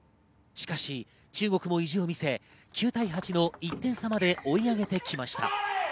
しかし中国も意地を見せ、９対８の１点差まで追い上げてきました。